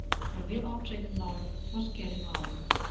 Their real object in life was getting on.